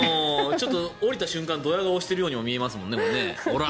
ちょっと降りた瞬間ドヤ顔をしているようにも見えますよね。